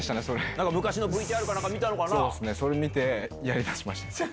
なんか昔のＶＴＲとか見たのそうですね、それ見て、やりだしました。